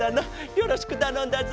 よろしくたのんだぞ。